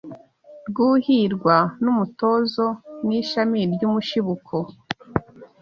Rwuhirwa n’umutozo Ni ishami ry’umushibuko